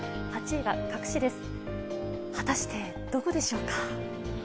８位は果たしてどこでしょうか？